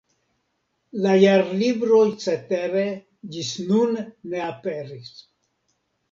La Jarlibro cetere ĝis nun ne aperis.